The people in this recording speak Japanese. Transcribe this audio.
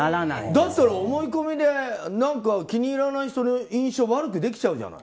だったら思い込みで気に入らない人の印象を悪くできちゃうじゃない。